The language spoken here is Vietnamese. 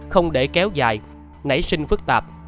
không để kéo dài nảy sinh phức tạp